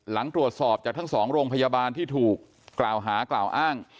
หลังตรวจสอบจากทั้งสองโรงพยาบาลที่ถูกกล่าวหากล่าวอ้าง